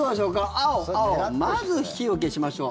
青、青、まず火を消しましょう。